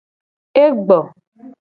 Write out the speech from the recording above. E gbo.